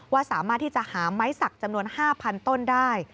สามารถที่จะหาไม้สักจำนวน๕๐๐๐ต้นได้